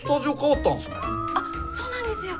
あっそうなんですよ！